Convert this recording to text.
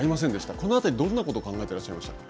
このあたり、どんなことを考えていらっしゃいましたか。